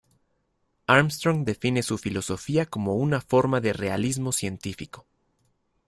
Armstrong describe su filosofía como una forma de realismo científico.